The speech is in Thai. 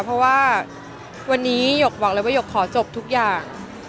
เพราะว่าวันนี้หยกบอกเลยว่าหยกขอจบทุกอย่าง